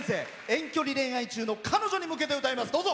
遠距離恋愛中の彼女に向けて歌います。